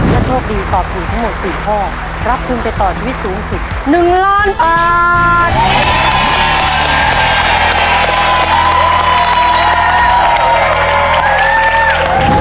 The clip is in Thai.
ถ้าโชคดีตอบถูกทั้งหมด๔ข้อรับทุนไปต่อชีวิตสูงสุด๑ล้านบาท